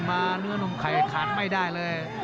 เนื้อนมไข่ขาดไม่ได้เลย